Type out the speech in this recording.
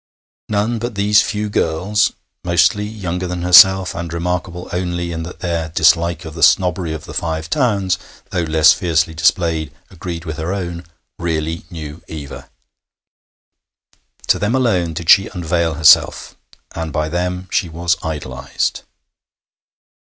None but these few girls mostly younger than herself, and remarkable only in that their dislike of the snobbery of the Five Towns, though less fiercely displayed, agreed with her own really knew Eva. To them alone did she unveil herself, and by them she was idolized.